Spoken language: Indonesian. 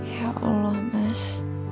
ya allah mas